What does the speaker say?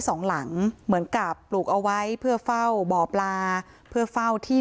สองหลังเหมือนกับปลูกเอาไว้เพื่อเฝ้าบ่อปลาเพื่อเฝ้าที่